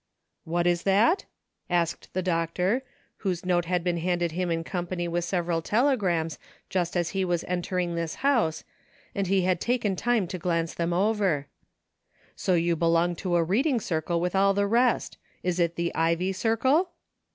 " What is that .''" asked the doctor, whose note had been handed him in company with several telegrams just as he was entering this house, and "VERY MUCH IMPROVED. 225 he had taken time to glance them over ;" so you belong to a reading circle with all the rest. Is it the Ivy Circle?